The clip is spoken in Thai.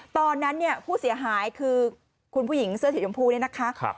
ตอนนั้นเนี่ยผู้เสียหายคือคุณผู้หญิงเสื้อสีชมพูเนี่ยนะคะ